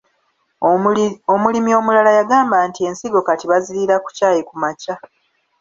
Omulimi omulala yagamba nti ensigo kati baziriira ku caayi kumakya.